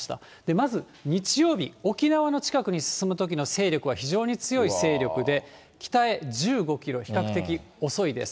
まず日曜日、沖縄の近くに進むときの勢力は非常に強い勢力で、北へ１５キロ、比較的遅いです。